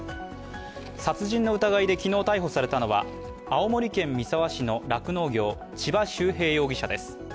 殺人の疑いで昨日逮捕されたのは、青森県三沢市の酪農業千葉修平容疑者です。